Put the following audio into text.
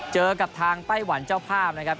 เจอกับทางไต้หวันเจ้าภาพนะครับ